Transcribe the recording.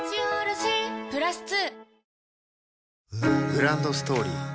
グランドストーリー